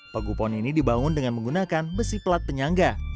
pagupon ini dibangun dengan menggunakan besi pelat penyangga